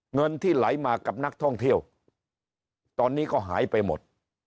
เงินที่ไหลมากับนักท่องเที่ยวตอนนี้ก็หายไปหมด